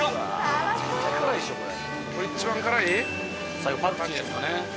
最後パクチーですかね？